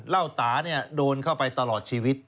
เหล้าตาโดนเข้าไปตลอดชีวิต